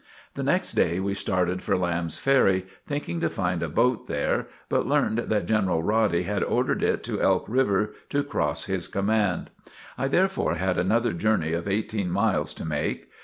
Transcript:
The next day, we started for Lamb's Ferry, thinking to find a boat there, but learned that General Roddy had ordered it to Elk River to cross his command. I therefore had another journey of eighteen miles to make.